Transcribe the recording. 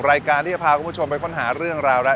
รายการที่จะพาคุณผู้ชมไปค้นหาเรื่องราวรัก